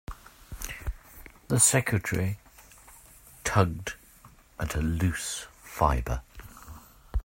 The secretary tugged at a loose fibre.